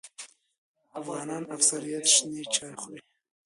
افغانان اکثریت شنې چای خوري